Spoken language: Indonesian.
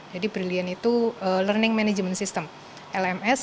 jadi brilliant itu learning management system lms